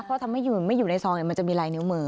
เพราะถ้าไม่อยู่ในซองมันจะมีลายนิ้วมือ